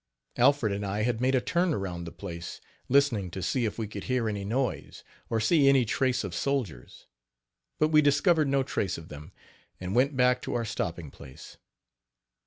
Alfred and I had made a turn around the place, listening to see if we could hear any noise, or see any trace of soldiers; but we discovered no trace of them, and went back to our stopping place.